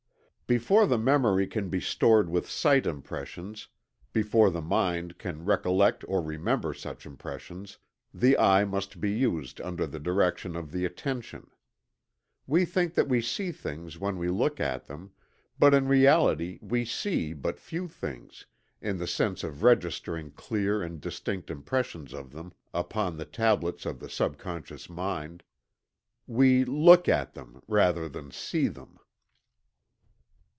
Before the memory can be stored with sight impressions before the mind can recollect or remember such impressions the eye must be used under the direction of the attention. We think that we see things when we look at them, but in reality we see but few things, in the sense of registering clear and distinct impressions of them upon the tablets of the subconscious mind. We look at them rather than see them.